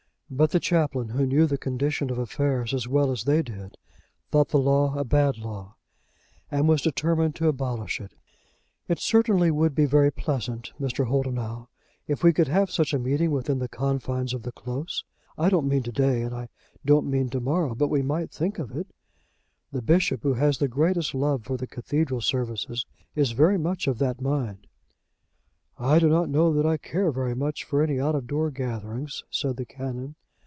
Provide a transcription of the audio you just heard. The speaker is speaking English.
But the Chaplain, who knew the condition of affairs as well as they did, thought the law a bad law, and was determined to abolish it. "It certainly would be very pleasant, Mr. Holdenough, if we could have such a meeting within the confines of the Close. I don't mean to day, and I don't mean to morrow; but we might think of it. The bishop, who has the greatest love for the cathedral services, is very much of that mind." "I do not know that I care very much for any out of door gatherings," said the Canon.